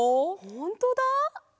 ほんとだ！